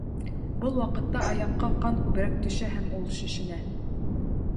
Был ваҡытта аяҡҡа ҡан күберәк төшә һәм ул шешенә.